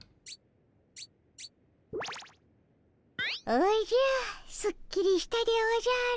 おじゃすっきりしたでおじゃる。